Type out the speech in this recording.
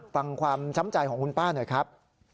ฟังความช้ำใจของคุณป้าหน่อยครับ